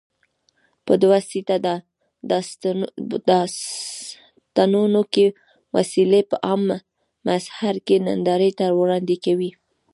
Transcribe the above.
په دوه سیټه ډاټسنونو کې وسلې په عام محضر کې نندارې ته وړاندې کوي.